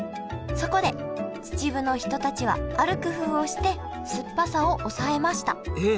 そこで秩父の人たちはある工夫をして酸っぱさをおさえました。